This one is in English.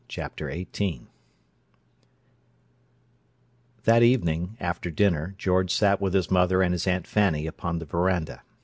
Chapter XVIII That evening, after dinner, George sat with his mother and his Aunt Fanny upon the veranda.